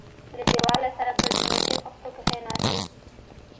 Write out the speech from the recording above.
له دېواله سره پر سميټي خښتو کښېناستو.